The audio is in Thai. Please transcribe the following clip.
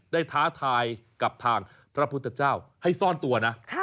ท้าทายกับทางพระพุทธเจ้าให้ซ่อนตัวนะ